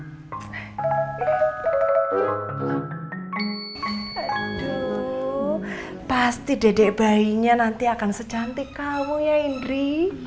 aduh pasti dedek bayinya nanti akan secantik kamu ya indri